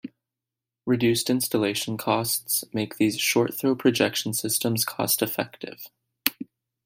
Reduced installation costs make these short-throw projection systems cost effective.